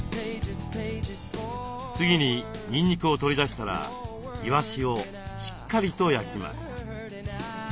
次ににんにくを取り出したらいわしをしっかりと焼きます。